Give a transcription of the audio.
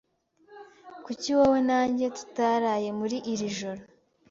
Kuki wowe na njye tutaraye muri iri joro?